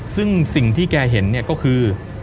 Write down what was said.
ซึ่งสิ่งที่แกเห็นก็คือ